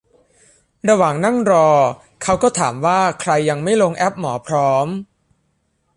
ระหว่างนั่งรอเขาก็ถามว่าใครยังไม่ลงแอปหมอพร้อม